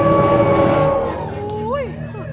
โอ้โห